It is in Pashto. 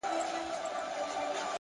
هره هڅه د راتلونکي یوه خښته ده،